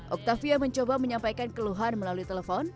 octavia mencoba menyampaikan keluhan melalui telepon